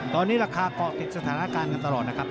ตอนนี้ราคาเกาะติดสถานการณ์กันตลอดนะครับ